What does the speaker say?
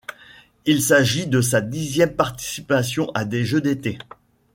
Il s'agit de sa dixième participation à des Jeux d'été.